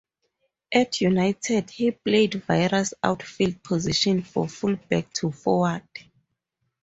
At United, he played various outfield positions, from fullback to forward.